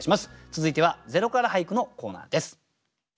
続いては「０から俳句」のコーナーです。